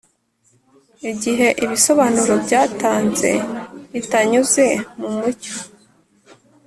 Igihe ibisobanuro byatanze bitanyuze mumucyo